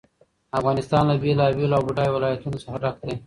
افغانستان له بېلابېلو او بډایه ولایتونو څخه ډک دی.